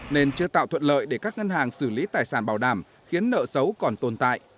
nên chưa tạo thuận lợi để các ngân hàng xử lý tài sản bảo đảm khiến nợ xấu còn tồn tại